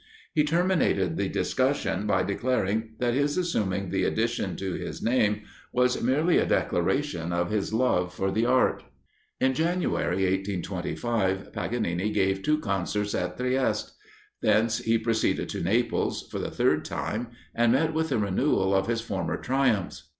He terminated the discussion by declaring that his assuming the addition to his name was merely a declaration of his love for the art. In January, 1825, Paganini gave two concerts at Trieste; thence he proceeded to Naples, for the third time, and met with a renewal of his former triumphs.